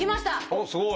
おっすごい！